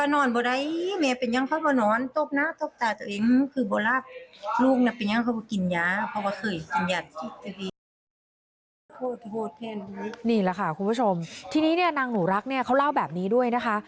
นี่แหละค่ะคุณผู้ชมทีนี้เนี่ยนางหนูรักเนี่ยเขาเล่าแบบนี้ด้วยนะคะ